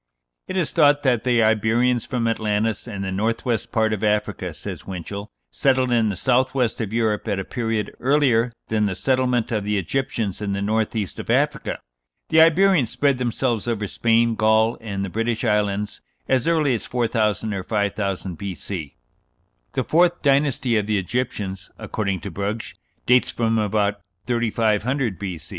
"It is thought that the Iberians from Atlantis and the north west part of Africa," says Winchell, "settled in the south west of Europe at a period earlier than the settlement of the Egyptians in the north east of Africa. The Iberians spread themselves over Spain, Gaul, and the British Islands as early as 4000 or 5000 B.C.... The fourth dynasty (of the Egyptians), according to Brugsch, dates from about 3500 B.